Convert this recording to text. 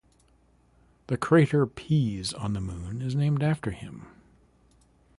The crater Pease on the Moon is named after him.